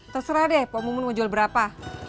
terserah deh pak mumu mau jual berapa